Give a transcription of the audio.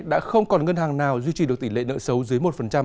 đã không còn ngân hàng nào duy trì được tỷ lệ nợ xấu dưới một